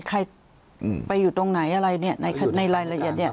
ใครไปอยู่ตรงไหนอะไรเนี่ยในรายละเอียดเนี่ย